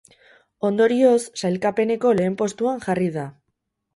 Ondorioz, sailkapeneko lehen postuan jarri da.